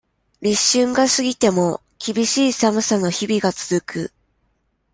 立春が過ぎても、厳しい寒さの日々が続く。